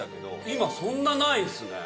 今そんなないんですね。